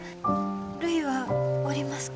るいはおりますか？